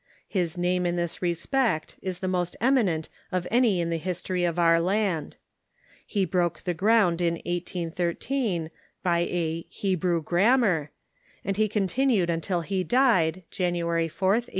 His name in this respect is the most eminent of any in the histoiy of our land. He broke the ground in 1813 by a " Hebrew Grammar," and he continued until he died, January 4th, 1852.